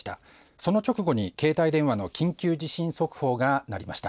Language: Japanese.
その直後に携帯電話の緊急地震速報が鳴りました。